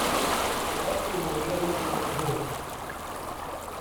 Rossi Morreale was the host.